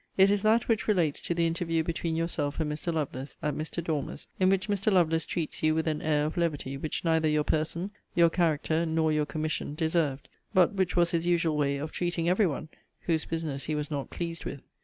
It is that which relates to the interview between yourself and Mr. Lovelace, at Mr. Dormer's,* in which Mr. Lovelace treats you with an air of levity, which neither your person, your character, nor your commission, deserved; but which was his usual way of treating every one whose business he was not pleased with.